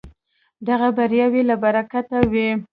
دغه بریاوې له برکته وې.